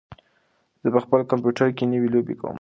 زه په خپل کمپیوټر کې نوې لوبې کوم.